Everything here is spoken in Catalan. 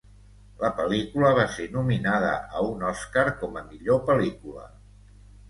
La pel·lícula va ser nominada a un Oscar com a Millor Pel·lícula.